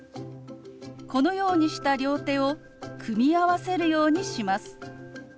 このようにした両手を組み合わせるようにします。